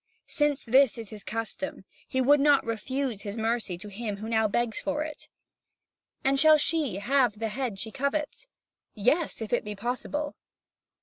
Since this is his custom, he will not refuse his mercy to him who now begs and sues for it. And shall she have the head she covets? Yes, if it be possible.